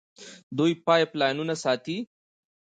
دوی پایپ لاینونه ساتي.